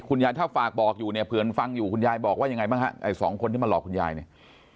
ถ้าฝากบอกอยู่เนี่ยเผื่อนฟังอยู่คุณยายบอกว่ายังไงบ้างฮะไอ้สองคนที่มาหลอกคุณยายเนี่ย